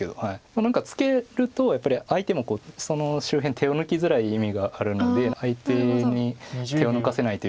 何かツケるとやっぱり相手もその周辺手を抜きづらい意味があるので相手に手を抜かせないというか。